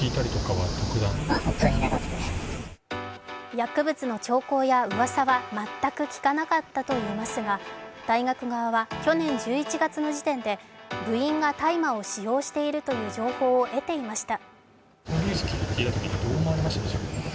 薬物の兆候やうわさは全く聞かなかったといいますが、大学側は去年１１月の時点で部員が大麻を使用しているとの情報を得ていました。